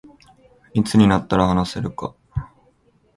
いつになったら話せるか